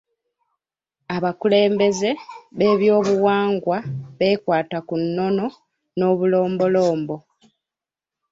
Abakulembeze b'ebyobuwangwa beekwata ku nnono n'obulombolombo.